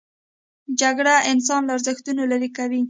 جګړه انسان له ارزښتونو لیرې کوي